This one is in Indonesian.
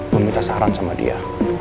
gue minta saran sama dia